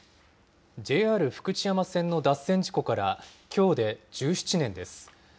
ＪＲ福知山線の脱線事故からきょうで１７年です。